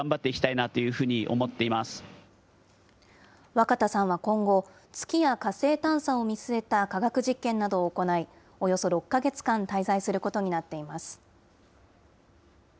若田さんは今後、月や火星探査を見据えた科学実験などを行い、およそ６か月間滞在することになっています。